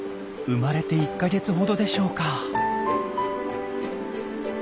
生まれて１か月ほどでしょうか。